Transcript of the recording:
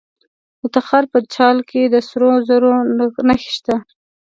د تخار په چال کې د سرو زرو نښې شته.